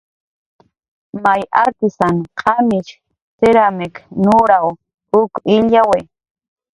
May artisan qamish siramik nuraw uk illyawi